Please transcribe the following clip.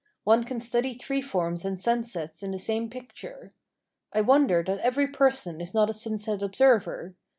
One can study tree forms and sunsets in the same picture. I wonder that every person is not a sunset observer.